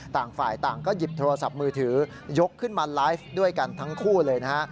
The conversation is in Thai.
ต่างฝ่ายต่างก็หยิบโทรศัพท์มือถือยกขึ้นมาไลฟ์ด้วยกันทั้งคู่เลยนะฮะ